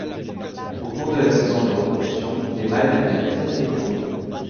Au cours de la saison de reproduction, les mâles deviennent très territoriaux.